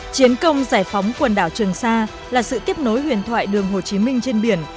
chiến công giải phóng quần đảo trường sa là sự tiếp nối huyền thoại đường hồ chí minh trên biển